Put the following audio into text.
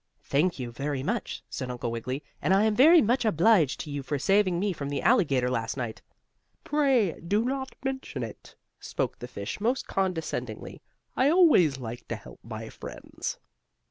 "Thank you very much," said Uncle Wiggily, "and I am very much obliged to you for saving me from the alligator last night." "Pray do not mention it," spoke the fish most condescendingly. "I always like to help my friends."